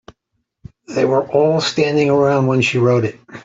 They were all standing around when she wrote it.